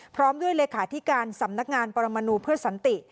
พร้อมด้วยเลขาธิการสำนักงานปรมนูเพื่อสันติ